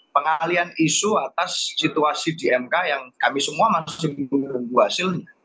pengalian isu atas situasi di mk yang kami semua masih menunggu hasilnya